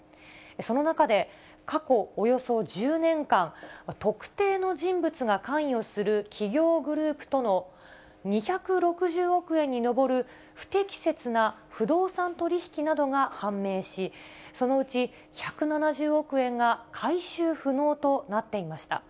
その中で、過去およそ１０年間、特定の人物が関与する企業グループとの２６０億円に上る不適切な不動産取り引きなどが判明し、そのうち１７０億円が回収不能となっていました。